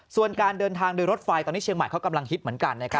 ส่วนการเดินทางโดยรถไฟตอนนี้เชียงใหม่เขากำลังฮิตเหมือนกันนะครับ